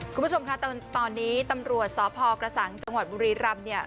คุณผู้ชมค่ะตอนนี้ตำรวจสพกระสังจังหวัดบุรีรำเนี่ย